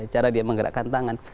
cara dia menggerakkan tangan